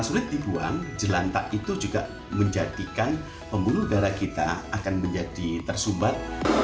sulit dibuang jelanta itu juga menjadikan pembunuh darah kita akan menjadi tersumbat